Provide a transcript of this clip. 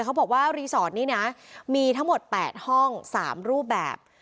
เขาบอกว่ารีสอร์ทนี้นะมีทั้งหมด๘ห้อง๓รูปแบบ